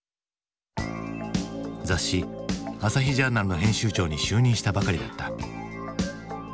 雑誌「朝日ジャーナル」の編集長に就任したばかりだった。